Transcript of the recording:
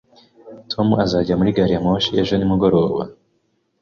Tom azagera muri gari ya moshi ejo nimugoroba